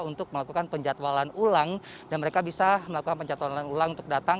untuk melakukan penjatualan ulang dan mereka bisa melakukan penjatuhan ulang untuk datang